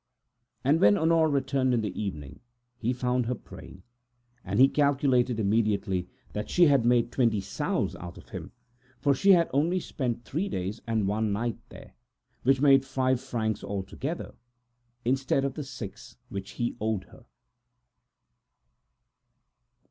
When Honore returned in the evening, he found her praying. He calculated immediately that she had made twenty sous out of him, for she had only spent three days and one night there, which made five francs altogether, instead of the six which he owed her.